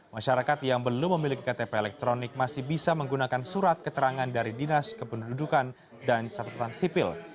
masyarakat yang belum memiliki ktp elektronik masih bisa menggunakan surat keterangan dari dinas kependudukan dan catatan sipil